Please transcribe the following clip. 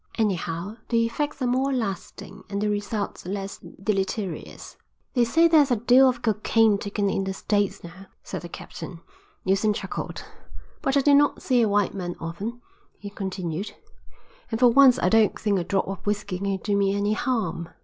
Anyhow, the effects are more lasting and the results less deleterious." "They say there's a deal of cocaine taken in the States now," said the captain. Neilson chuckled. "But I do not see a white man often," he continued, "and for once I don't think a drop of whisky can do me any harm."